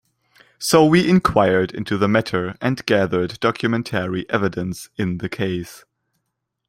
So we inquired into the matter and gathered documentary evidence in the case.